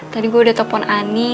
tadi gue udah telepon ani